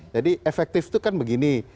jadi efektif itu kan begini